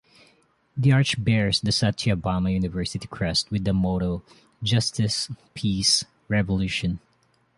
The arch bears the Sathyabama University crest with the motto "Justice, Peace, Revolution".